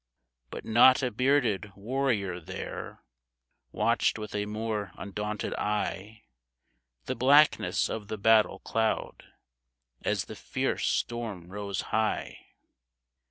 " But not a bearded warrior there Watched with a more undaunted eye The blackness of the battle cloud, As the fierce storm rose high.